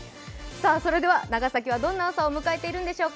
それでは長崎はどんな朝を迎えているのでしょうか。